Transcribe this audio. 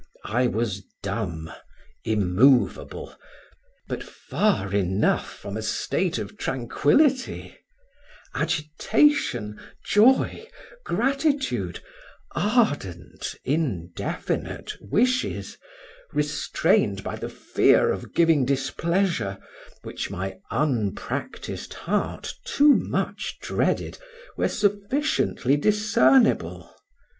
I was dumb, immovable, but far enough from a state of tranquility; agitation, joy, gratitude, ardent indefinite wishes, restrained by the fear of giving displeasure, which my unpractised heart too much dreaded, were sufficiently discernible.